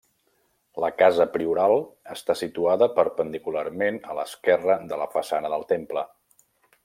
La casa Prioral està situada perpendicularment a l'esquerra de la façana del temple.